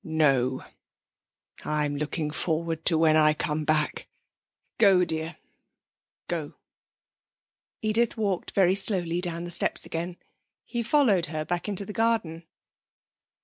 No. I'm looking forward to when I come back.... Go, dear, go.' Edith walked very slowly down the steps again. He followed her back into the garden.